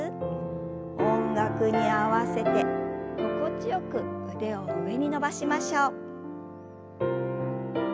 音楽に合わせて心地よく腕を上に伸ばしましょう。